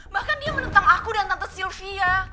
bahkan dia menentang aku dan tante sylvia